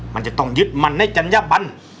มันจะต้องยึดมันในจัญญบัน